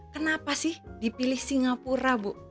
kenapa sih dipilih singapura bu